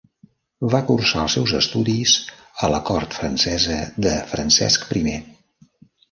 Va cursar els seus estudis a la cort francesa de Francesc I.